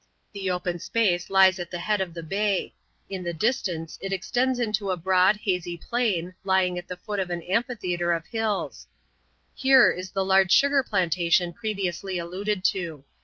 The open space lies at the head of the bay ; in the distance it extends into a broad, hazy plain lying at the foot of an amphi theatre of hills. Here is the large sugar plantation previously alluded to.